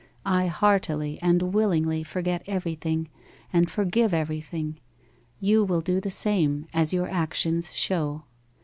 I heartily and willingly forget everything and forgive everything. You will do the same, as your actions show.